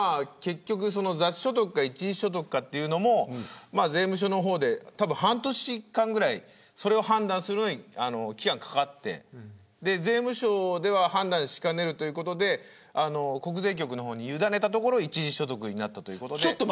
雑所得か一時所得かというのも税務署の方でたぶん半年間ぐらいそれを判断するのに期間かかって税務署では判断しかねるということで国税局の方に委ねたところ一時所得になったということで。